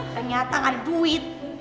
ternyata gak ada duit